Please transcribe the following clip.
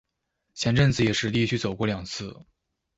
前陣子也實地去走過兩次